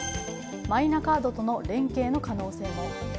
マイナカードとの連携の可能性も。